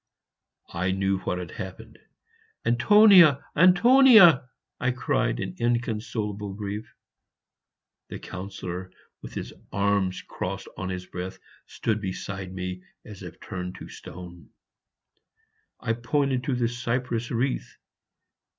I knew what had happened. "Antonia! Antonia!" I cried, in inconsolabie grief. The Councillor, with his arms crossed on his breast, stood beside me, as if turned into stone. I pointed to the cypress wreath.